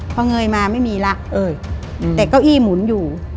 พอเงยมาไม่มีแล้วแต่เก้าอี้หมุนอยู่